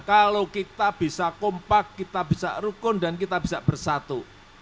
kalau kita bisa kompak kita bisa rukun dan kita bisa bersatu